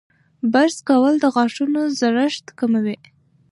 برس کول د غاښونو زړښت کموي.